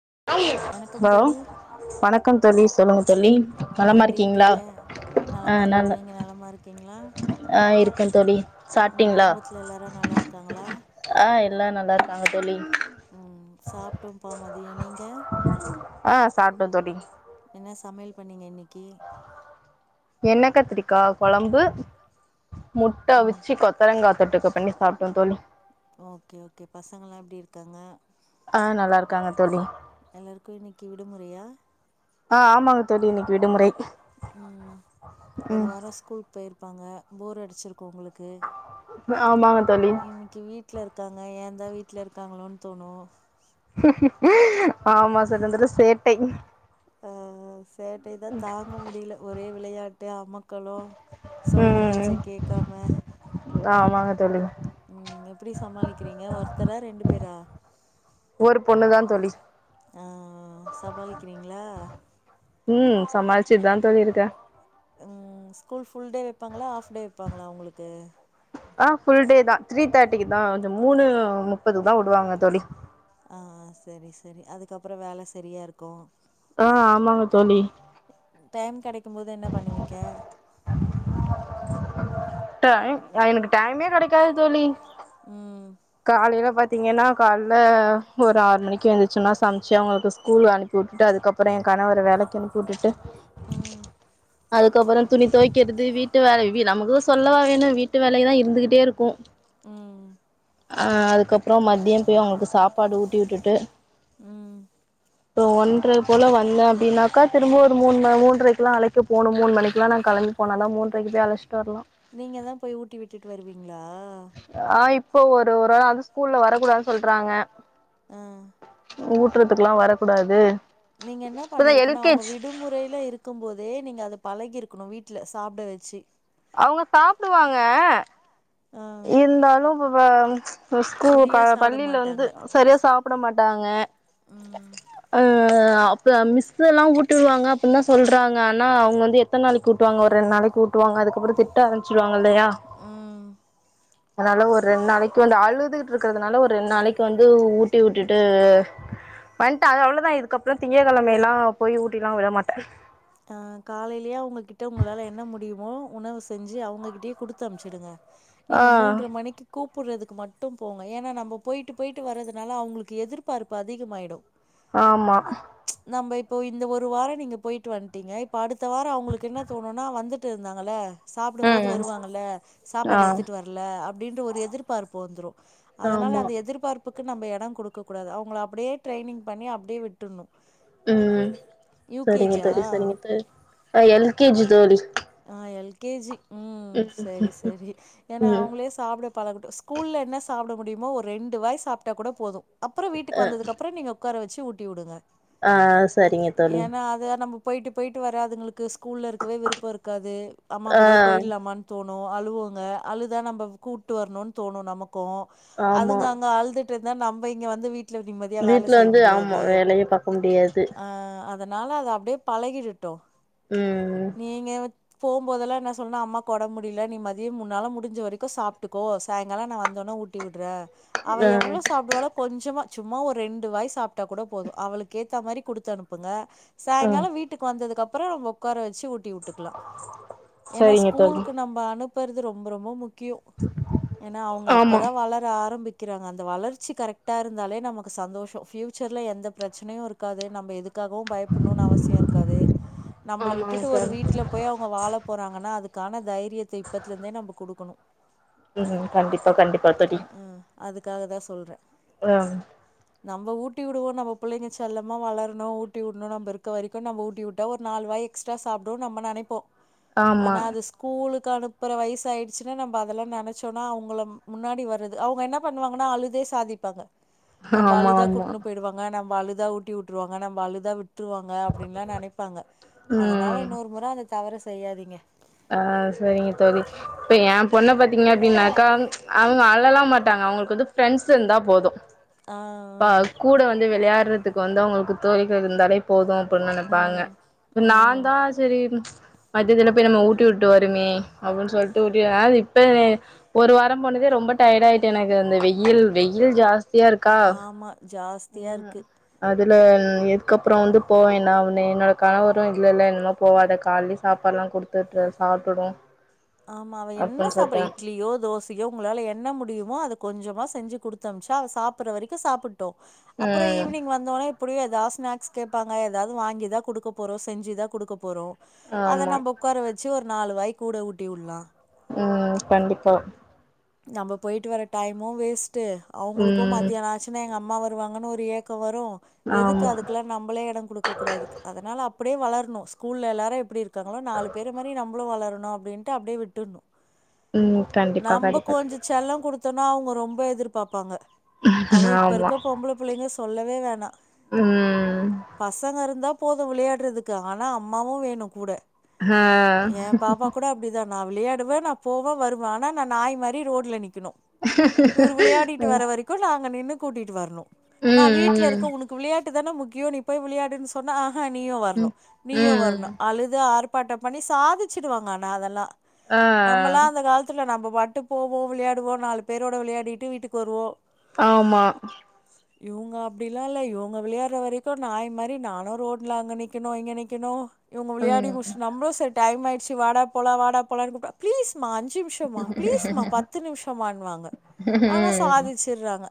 [unintelligible] வணக்கம் ஹலோ தோழி வணக்கம் தோழி சொல்லுங்க தோழி எப்டி நலமாருக்கீங்களா இருக்கீங்க ஆ நலமா இருக்கோ நல நீங்க நலமா இருக்கீங்களா ஆ இருக்க தோழி உங்க சாப்ட்டிங்ளா குடும்பத்துல எல்லாரு நல்லா இருக்காங்களா ஆ எல்லா நல் நல்லார்காங்க தோழி. ம் சாப்ட்டோம்ப்பா மதியோ நீங்க ஆ. சாப்டோந் தோழி என்ன சமயல் பண்ணீங்க இன்னிக்கி என்ன கத்ரிக்கா கொலம்பு முட்ட ம் அவுச்சி கொத்தரங்காத் தொட்டுக்க பண்ணி சாப்டோ தோழி ஓக்கே ஓக்கே பசங்கல்லா எப்டிருக்காங்க ஆ நல்லாருக்காங்க தோழி எல்லாருக்கு இன்னிக்கி விடுமுறையா ஆ ஆமாங்க தோழி இன்னிக்கு விடுமுறை ம் ஒரு ம் வாரோ ஸ்கூல் போய்ர் பாங்க போர் அடிச்சிருக்கு உங்களுக்கு ஆமா இன்னிக்கு வீட்ல இருக்காங்க ஏன் தா வீட்ல இருக்காங்களோன் தோணு ஆமா சர் வந்துட்டு சேட்டை ஆ சேட்டை தா தாங்க முடில ஒரே விளையாட்டு அமக்களோ சொல்ற ம் பேச்ச கேக்காம மாங்க தோழி ம் எப்டி சமாளிக்கிறீங்க ஒருத்தரா ரெண்டு பேரா ஒரு பொண்ணு தான் தோழி ஆ சமாளிக்றீங்ளா ம் சமாளிச்சுட்டு தான் தோழி இருக்கேன் ம் ஸ்கூல் ஃபுல்டே வைப்பாங்களா ஆஃப் டே வைப்பா ளா உங்ளுக்கு ஆ ஃபுல் டே தா த்ரீ தேர்டிக்கு தா அது மூணு முப்பதுக்கு தா உடுவாங்க தோழி ஆ சரி சரி அதுக்கப்றோ வேல சரியா இருக்கு ஆ ஆமாங்க தோழி டைம் கடைக்கும் போது என்ன பண்ணுவீங்க டைம் எனக்கு டைமே கடைக்காது தோழி ம் காலைல பாத்தீங்கனா கால்ல ஒரு ஆறு மணிக்கு எந்துச்சன்னா சம்ச்சு அவுங்களுக்கு ஸ்கூல் அனுப்பி வுட்டுட்டு அதுக்கபுறோ எ கணவர வேலக்கி அனுப்பி வுட்டுட்டு ம் அதுக்கபுறோ துணி தோய்க்கிறது வீட்டு வேல [unintelligible] நமக்குதா சொல்லவா வேணு வேலலா இருந்துகிட்டே இருக்கு ம் அ அதுக்கப்றோ மதியம் போய் அவுங்களுக்கு சாப்பாடு ஊட்டி விட்டுட்டு ம் அப்றோ ஒன்ற போல வந்த அப்டினாக்கா திரும்ப ஒரு மூண் மூன்றரைக்குலா அழைக்க போணு மூண் மணிக்குலா நா கெளம்பி போனா தா மூன்றைக்கு போய் அழச்சிட்டு வரலா நீங்க தா போய் ஊட்டி விட்டுட்டு வருவீங் லா போ ஒரு ஒரு [unintelligible] ஸ்கூல்ல வரக்கூடாத்ன் சொல்றாங்க அ ஊட்டுறதுக்குல்லா வர கூடாது நீங்க என்ன பண்ணிருக்கனௌ அவுங்க விடுமுறைல இருக்கும் போதே நீங்க அது பழகி இருக்கணு வீட்ல சாப்ட வெச்சி அவுங்க சாப்டுவாங்க ஆ இந்தாலு [unintelligible] ச்ச் ஸ்கூ சரியா பல சாப்ட பள்ளில வந்து மாட்டாங்க செரியா சாப்பட மாட்டாங்க ம் அ ஆ அப்ப மிஸ் எல்லா ஊட்டிடுவாங்க அப்டின்லா சொல்றாங்க ஆனா அவுங்க வந்து எத்தன் நாளைக்கு ஊட்டுவாங்க ஒரு ரெண் நாளைக் ஊட்டுவாங்க அதுக் அப்றோ திட்ட ஆரமிச்சுருவா இல்லயா ம் அதனால ஒரு ரெண் நாளைக்கு வந்து அழுதுட்டுருக்கறதுனால ஒரு ரெண் நாளைக்கு வந்து ஊட்டி உட்டுட்டு வண்ட்ட அது அவ்ளோ‌ தா இதுக்கப்றோ திங்ககழமைலா போய் ஊட்டிலா விடமாட்ட ஆ காலைலியே அவுங்ககிட்ட உங்களால என்ன முடியுமோ உணவு செஞ்சு அவுங்ககிட்டயே குடுத்தம்ச்சுடுங்க ஆ நீங்க மூன்ற மணிக்கு கூப் புட்றதுக்கு மட்டு போங்க ஏனா நம்ம போய்ட்டு போய்ட்டு வரதுனால அவுங்களுக்கு எதிர்பார்ப்பு அதிகமாய்டு ஆமா நம்ப இப்போ இந்த ஒரு வாரோ நீங்க போய்ட்டு வந் டீங்க இப்ப அடுத்த வாரோ அவங்களுக்கு என்ன தோணுனா வந்துட்டு இருந்தாங்கல்ல சாப்புடும்போது ம் வருவாங்கள ஆ சாப்பாடு எத்துட்டு வரல அப்டின்ற ஒரு எதிர்பார்ப்பு வந்துரும் அதனால ஆமா அந்த எதிர்பார்ப் புக்கு நம்ப எடோ குடுக்ககூடாது அவங்கள அப்படியே ட்ரைனிங் பண்ணி அப்டியே விட்டுட்ணு உம் சரிங்க தோழி சரிங் து அ எல் கே ஜி தோழி அ எல் கே ஜி உம் ம் சரி சரி ஏன்னா ம் அவங்களே சாப்புட பழகுட்டும் ஸ்கூல்ல என்ன சாப்பட முடியும் சும்மா ஒரு ரெண்டு வாய் சாப்ட்டா கூட போதும் அப்றோம் வீட்டுக்கு வந்தது அப்புற நீங்க உக்கார வச்சு ஊட்டிவுடுங்க ஆஹ் சரிங்க தோழி நம்ம போயிட்டு போயிட்டு வராதுங்ளுக் க்கு ஸ்கூல்ல இருக்கவே விருப்பருக் க்காது அம்மா ஆ கூடே போயிட்லாமான்னு தோண் னு அழுவுங்க அழுதா நம்ம கூட்டு வர்ணோன்னு தோணும் நமக்கு கோ ஆமா அதுங்க அங்க அழுதுட் ட்டுந்தா நம்ப இங்க வந்து வீட் வீட்ல வந்து ஆமா வேலையே பாக்க முடியாது தனால அது அப்டியே பழகிடட்டும் ம் நீங்க வ போம்போதல்லா என்ன சொல்ன்னா அம்மாக்கு ஒடம்பு முடியல நீ மதியம் முன்னால முடிஞ்ச வரைக்கும் சாப்ட்டுக்கோ சாயங்காலம் நான் வந்தடனே ஊட்டி விடுறே அவ ஆ எவ்வளோ சாப்ப்டுவாலோ கொஞ்சமா சும்மா ஒரு ரெண்டு வாய் சாப்ட்டா கூட போதும் அவளுக்கு ஏத்த மாரி குடுத்து அனுப்புங்க ஆ சாயங்காலம் வீட்டுக்கு வந்தது அப் அப்புறோம் உக்கார வச்சு ஊட் க்குலா ஏன்னா சரிங்க தோழி ஸ்கூலுக்கு நம்ப அனுப் புறது ரொம்ப ரொம்ப முக் கியு ஏன்னா அவங்க ஆமா அப்பதான் வளர ஆரம்பிக் க்கிறாங்க அந்த வளர்ச்சி கரெக்டாக இருந்தாலே நமக்கு சந்தோஷம் ஃப்யூச்சர்ல எந்த பிரச்சனையும் இருக்காது நம்ப எதுக் காகவும் பயப்புட்ணுன்னு அவசியோ இருக்காது நம்பள ஆமாங்க விட்டுட்டு ஒரு தோழி வீட் ட்ல போய் அவங்க வாழ போறாங்கன்னா அதுக் க்கான தைரியத்தை இப்பத்துல இருந்தே நம்ப குடுக்கணும் ம் ம் கண்டிப்பா கண்டிப்பா தோழி அஹ் அதுக்காக தா சொல்றே ஆ நம்ம ஊட்டிடுவோம்ம புள்ளைங்க செல்லமா வளரணோ ஊட்டி விடணோ நம்ம இருக்க வரைக்கோ நம்ம ஊட்டி விட்டோ ஒரு நாலு வாய் எக்ஸ்ட்ரா சாப் அதும் நம்ம நெனைப்போ ஆமா ஆனா அது ஸ்கூலுக் க்கு அனுப்புற வைஸ் ஆயிடுச்சுன்னா நம்ம அதெல்லாம் நெனைச்சோம்னா அவங்கள முன்னாடி வருது அவுங்க என்ன பண்ணுவாங்கன்னா அழுதே சாதிப்பாங்க நம்ம ஆமா அழுதா ஆமா கூட்னு போயிடுவாங்க நம்ம அழுது தா ஊட்டி வுட்டுருவாங்க நம்ம அழுதா வி வுட்ருவாங்க அப்டின்னுலா நெனைப்பாங்க அதனால ஒரு முற அந்த தவறு செ செய்யாதீங்க ஆஹ் சரிங்க தோழி இப்ப என் பொண்ண பாத்தீங்க அப்படின்னாக்க அவங்க அழலாம் மாட்டாங்க அவங்களுக்கு வந்து ஃப்ரெண்ட்ஸ் இருந்தா போதும் ஆ அ கூட வந்து வெளையாடுற அதுக்கு வந்தவங்களுக்கு தோழிகள் இருந்தாலே போதும் அப்படனு நினைப்பாங்க ம் நா ம் தா சரி பத்துதரவ போயி நம்ம ஊட் ஊட்டி விட்டு வருமே அப்படின்னு சொல்லிட்டு ட்டி இப்ப ஒரு வாரம் போனதே ரொம்ப டயட் ஆயிட்டு எனக்கு அந்த வெயில் வெயில் ஜாஸ்தி ஸ்தி இருக்கா ஆமா ஜாஸ்தியா உ இருக்கு அது இல்ல இதுக்கப்புறோ வந்து போவேனா என்னோ கணவரும் இல்லல்ல இனிமே போகாத காலைலே சாப்பாடலாம் கொடுத்து சாப்பிடும் ஆமா அவ என்ன சாப்டு இட்லியோ தோசையோ உங்களால என்ன முடியுமோ அத கொஞ்சமா செஞ்சு கொடுத்தமுச்சா அவ சாப்பிடற வரைக்கும் சாப்பிட் ட்டும் அப்புறம் ம் ஈவினிங் வந்தோனே இ எப்டியும் எதாது ஸ்நாக்ஸ் கேட்பாங்க ஏதாவது வாங்கி தா கொடுக்க போறோ செஞ்சு தா குடுக்க போறோ அத ஆமா நம்ம உட்கார வெச்சு ஒரு நால வாய்க் கூட ஊட் ஊட்டி உடலா ம் கண்டிப்பா நம்ம போயிட்டு வர டைமு வேஸ்ட் ட்டு அவுங்குளுக்கோ ம் மதியான ஆச்சுனா எங்க அம்மா வர் வருவாங்கன்னு ஒரு ஏக்கோ வரும் ரும் எதுக்கு ஆமா அதுக்குெல்லாம் நம்மளே இடம் கொடுக்க கூடாது அதனால அ அப்டியே வளர்ணோ ஸ்கூல்ல எல்லாரோ எப்படி இருக்கு இருங்களோ நாலு பேர் மாரி நம்பளோ வளர அப்டின் அப்படியே விட்ருணோ ம் கண்டிப்பா நம்ப கண்டிப்பா கொஞ்ச செல்லோ குடுத்தோன்னா அவங்க ரொம் ப எதிர்பாப்பாங்க அது இப்ப ஆமா இருக்க பொம்பள புள்ளைங்க சொல்லவே வேணா ம் பசங்க இருந்தா போது விளையாடறதுக்கு ஆனா அம்மாவு வேணு கூட ஹா ஏ பாப்பா கூட அப்டிதா நா விளையாடுவ நா போவ வருவ ஆனா நா நாய் மாரி ரோட்ல நிக் கணு இவுரு விளையாடிட்டு வர ம் வரைக்கு நாங்க நின்னு கூட்டிட்டு வரணு நா வீட்ல ம் இருக்கே உனக்கு விளயாட் டு தான முக்கியோ நீ போய் விளயாடுன் சொன்னா ஆ னா நீயு வர்ணு ம் நீயு ம் வர்ணு அழுது ஆர்ப் பாட்டம் பண்ணி சாதிச்சிடுவாங்க ஆ னா அதெல்லா ஆ நம்மெல்லா அந்த காலத்துல நம்ப வாட்டு போவோ விளயாடுவோ நாலு பேரோட விளயாடிட்டு வீட்டுக்கு வருவோ ஆம்மா இவுங்க அப்டிலா இல்ல இவுங்க விளயாடுற வரைக்கு நாய் மாரி நானு ரோட்ல அங்க நிக்கனு இங்க நிக்கனு இவுங்க விளையாடி ம் முடுச்சு நம்ளு சரி டைம் ஆயிட் சி வாடா போலா வாடா போலங்க கூப்டா பிளீஸ் மா அஞ்சு நிமிஷமா பிளீஸ்மா பத்து நிமிஷம் மான்னு வாங்க ஆனா ம் சாதிச்சிட்றாங்க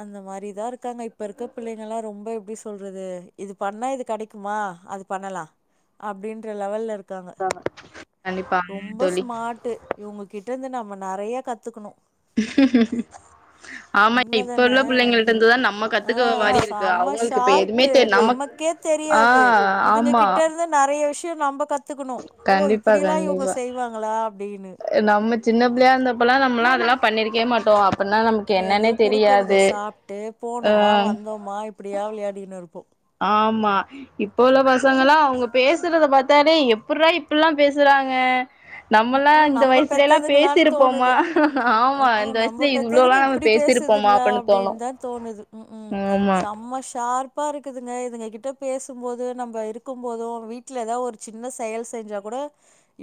அந்த மாரிதா இருக் க்காங்க இப்ப இருக்க பிள்ளைங்கல்லா ரொம்ப எப்டி சொ சொல்றது இது பண்ணா இது கெடைக்குமா அது பண்ணலா அப்டின் ற லெவல்ல இருக் க்காங்க கண்டிப்பா ரொம்ப தோழி ஸ்மார்ட் இவுங்க கிட் கிட்டருந்து நாம நெறயா கத்துக்கனு ஆமா இப்ப உண்மதான உள்ள பிள்ளைங்கள்ட்ட இருந்து தா நம்ம ஆ கத்துக்குற மாரி இருக்கு செம்ம அவங்களுக்கு இப்ப எதுவுமே ஷார்ப்பு தெரி நமக் நமக்கே ஆ தெரியாது ஆமா டியு நம்ப கத் கத்துக்கணு ஓ கண்டிப்பா இப்டிலா இவுங்க கண்டிப்பா செய்வாங்களா அப்டின்னு நம்ம சின்ன பிள்ளையா இருந்தப்பலா நம்மலா அதெலா பண்ணிருக்கவே மாட்டோ அப்பன்னா நமக்கு ஏதோ என்னன்னே குடுக்கறத தெரியாது சாப்ட்டு ஆ போனோமா வந்தோமா இப்படியா வெளையாடின்னு இருப்போ ஆம்மா இப்போ உள்ள பசங்களா அவுங்க பேசுறத பார்த்தாலே எப்புடுறா இப்ல்லா பேசுறாங்க நம்மல்லா அஅ இந்த நம்ம வயசுலல்லா பெத்ததுங்களான்னு பேசிருப்போமா தோணுது உம் ஆமா அஅ இந்த நம்ம வயசுல பெத்ததுங்க இவ்ளோல்லா நம்ம இப்படி பேசிருப்போமா பேசுதுங்களா அப்படின்னு தோணு அப்டின்னு தான் தோணுது உம் உம் ஆமா செம்ம ஷார்ப் ப்பா இருக்குதுங்க இதுங்ககிட்ட பேசும்போது நம்ம இருக்குபோதோ வீட்ல ஏதாவது ஒரு சின்ன செயல் செஞ்சா கூட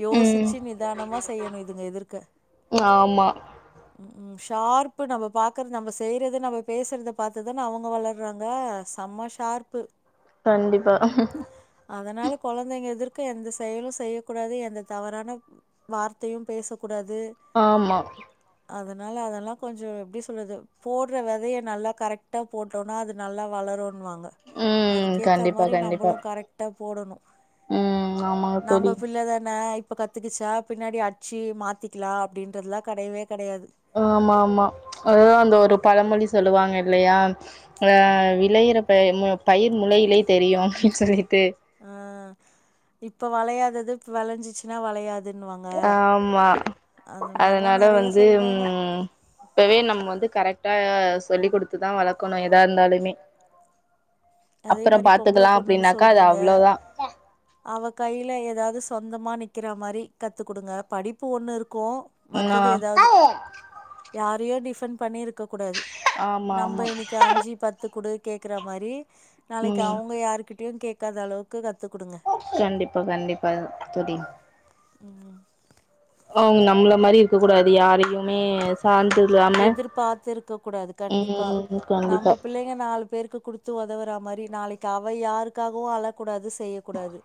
இப் ம் ச்சி நிதானமா செய்யணு இதுங்க எதிர்க்க ஆமா ம் ஷார்பு நம்ப பாக்கறது நம்ப செய்றத நம்ப பேசுறத பாத்துதான அவங்க வளர்றாங்க செம ஷார்பு கண்டிப்பா அதனால கொழந்தைங்க எதிர்க்க எந்த செயலு செய்யக்கூடாது எந்த தவறான வார்த்தையு பேச ஆமா அதனால அதெல்லா கொஞ்சோ எப்டி சொல்றது போட்ற வெதைய நல்லா கரெக்டா போட்டோன்னா அது நல்லா வளரு ன்னுவாங்க ம் அதுக்கேத்த கண்டிப்பா மாரி கண்டிப்பா நம்பளு கரெக்டா போடணு ம் ஆமாங்க நம்ப தோழி பிள்ள தான இப்ப கத்துக்கிச்சா பின்னாடி அடிச்சி மாத்திக்கலா அப்டின்றதெல்லா கடையவே கடையாது ஆமா ஆமா அதுதா அந்த ஒரு பழமொழி சொல்லுவாங்க இல்லையா ஆ விளைையிற ப பயிர் முளையிலே தெரியு அப்டின்னு சொல்லிட்டு ஆ இப்ப வளையாதது இப்ப வளைஞ்சிச்சுன்னா வளையாது ஆமா அந்த மாரிலாம் அதனால நெறைய வந்து சொல்வாங்க. ம் இப்பவே நம்ம வந்து கரெக்ட் டா சொல்லி குடுத்துதா வளக்கணு எதா இருந்தாலுமே அதே அப்புறோ மாரி பொம்பள பாத்துக்கலா பொண்ணுன்னு அப்டின்னாக்கா அது சொல்றீங்க அவ்ளோதா அவ கையில ஏதாவது சொந்தமா நிக்கிற மாரி கத்துக்குடுங்க படிப்பு ஒண்ணு இருக் கு மத்தது ஆ ஏதாவது யார்க் கூடயு டிஃபண்ட் பண்ணி இருக் ககூடாது ஆமா நம்ப ஆமா இன்னைக்கி அஞ்சு பத்து குடு கேட்கற மாரி நாளைக்கு ம் அவங்க யாருக்கிட் ட்யு கேக்காத அளவுக்கு கத் கண்டிப்பா கண்டிப்பா எதா தோழி ம் அவுங்க நம்ள மாரி இருக்க கூடாது யாரையுமே சார்ந்து இல்லாம எதிர்பாத்து இருக்க கூடாது கண்டிப்பா ம் கண்டிப்பா நம்ப பிள்ளைங்க நாலு பேருக்கு குடுத்து ஒதவறா மாரி நாளைக்கு அவ யாருக்காகவு அழக்கூடாது செய்யும் கூடாது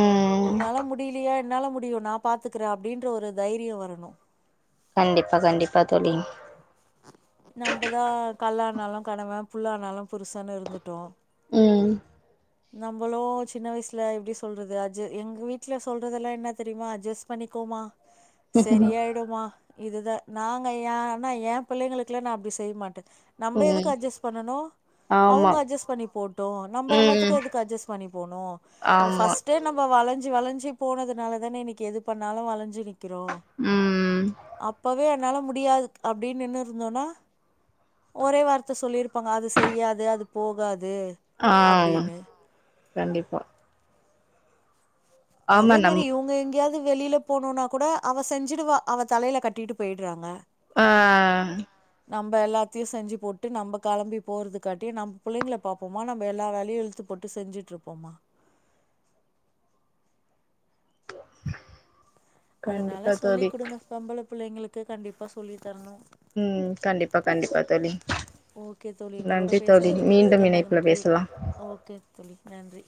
ம் உன்னால முடியிலியா என்னால முடியு நா பாத்துக்கிறே அப்டின்ற ஒரு தைரியு வரணு கண்டிப்பா கண்டிப்பா தோழி நம்பதா கல்லானாலோ கணவே புல்லானாலோ புருஷன்னு இருந்துட்டோ ம் நம்பளோ சின்ன வயிஸ்ல எப்டி சொல்றது அட்ஜ எங்க வீட்ல சொல்றதெல்லா என்னா தெரியுமா அட்ஜஸ்ட் பண்ணிக்கோமா செரியாயிடுமா இதுதா நாங்க யார்னா ஏ பிள்ளைங்களுலா நா அப்டி செய் மாட்டே நம்ப எதுக்கு ம் அட்ஜஸ் பண்ணனோ ஆமா அவுங்க அட்ஜஸ் பண்ணி போட்டோ நம்ப ம் எல்லாத்துக்கு எதுக்கு அட்ஜஸ் பண்ணி போனோ எவ ஆமா ஃபர்ஸ்ட் டைம் நம்ப வளஞ்சு சி வளஞ்சி போனதுனால தானே இன்னிக்கி எது பண்ணாலு வளஞ்சி நிக் கிறோ ம் அப்பவே என்னால முடியாது அப்டின் நின்னு இருந்தோனா ஒரே வார்த்த சொல்லிருப்பாங்க. அது செய்யாது, அது போகா து ஆ அப்டின்னு கண்டிப்பா ஆமா அதே நம் மாரி இவ்ங்க எங்கியாவ்து வெளியில போனும்னா கூட அவ செஞ்சு அவ தலையில கட்டிட்டு போய்டுறாங்க ஆஹ் நம்ம எல்லாத்தையு செஞ்சு போட்டு நம்ம கிளம்பி போறதுக்காட்டியு நம்ம புள்ளைங்கள பாப்போமா நம்ம எல்லா வேலையு இழுத்து போட்டு செஞ்சுட்டு இருப்போமா [inaudible] கண்டிப்பா அதனால சொல்லி தோழி கொடுங்க பொம்பள புள்ளைங்களுக்கு கண்டிப்பா சொல்லி தர்ணு உம் கண்டிப்பா கண்டிப்பா தோழி ஓகே தோழி உங்களோட நன்றி தோழி பேசுனதுக்கு மிக்க மீண்டும் இணைப்புல நன்றி பேசுலா ஓகே தோழி நன்றி